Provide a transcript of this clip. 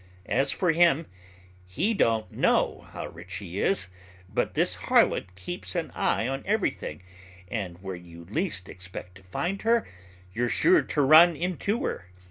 As for him, he don't know how rich he is, but this harlot keeps an eye on everything and where you least expect to find her, you're sure to run into her.